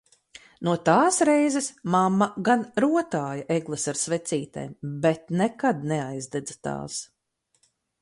No tās reizes mamma gan rotāja egles ar svecītēm, bet nekad neaidedza tās!